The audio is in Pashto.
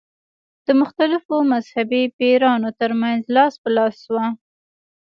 د مختلفو مذهبي پیروانو تر منځ لاس په لاس شوه.